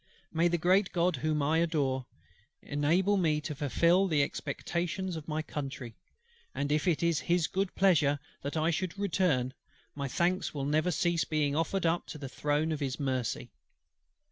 May the great GOD whom I adore, enable me to fulfil the expectations of my Country! and if it is His good pleasure that I should return, my thanks will never cease being offered up to the throne of His mercy.